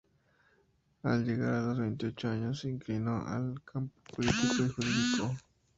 Al llegar a los veintiocho años se inclinó al campo político y jurídico.